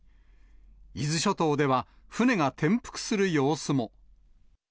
伊豆諸島では、船が転覆する様子も。